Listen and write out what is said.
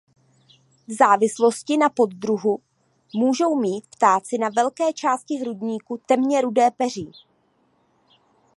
V závislosti na poddruhu můžou mít ptáci na velké části hrudníku temně rudé peří.